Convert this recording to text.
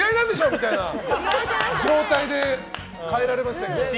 みたいな状態で帰られましたけど。